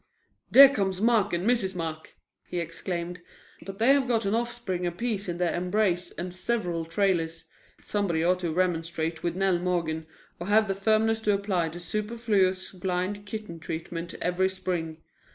"There comes Mark and Mrs. Mark," he exclaimed, "but they have got an offspring apiece in their embrace and several trailers. Somebody ought to remonstrate with Nell Morgan or have the firmness to apply the superfluous blind kitten treatment every spring.